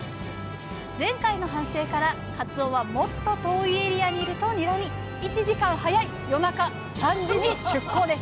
前回の反省からかつおはもっと遠いエリアにいるとにらみ１時間早い夜中３時に出港ですハハハハ。